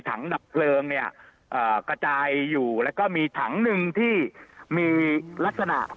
ทังดับเพลิงเนี่ยกระจายอยู่แล้วก็มีทั้งหนึ่งที่มีเหล่า